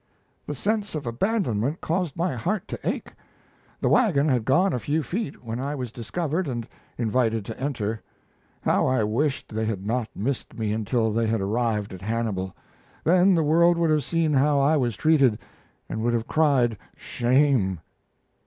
"The sense of abandonment caused my heart to ache. The wagon had gone a few feet when I was discovered and invited to enter. How I wished they had not missed me until they had arrived at Hannibal. Then the world would have seen how I was treated and would have cried 'Shame!'"